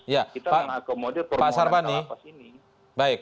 kita akan akomodir permohonan ke lapas ini